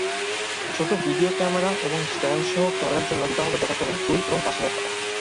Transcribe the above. ছোট video camera এবং stand সহ ক্যামেরার জন্য দিতে হবে যথাক্রমে দুই এবং পাঁচ হাজার টাকা।